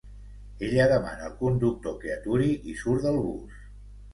Ella demana al conductor que aturi i surt del bus.